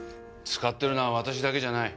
使ってるのは私だけじゃない。